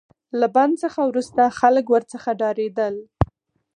له بند څخه وروسته خلک ورڅخه ډاریدل.